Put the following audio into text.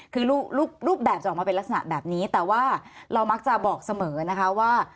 คือรูปแบบจะออกมาเป็นลักษณะแบบนี้แต่ว่าเรามักจะบอกเสมอนะคะว่า